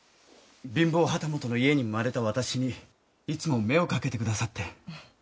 貧乏旗本の家に生まれた私にいつも目をかけてくださって。